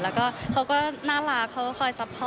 แล้วก็เขาก็น่ารักเขาก็คอยซัพพอร์ต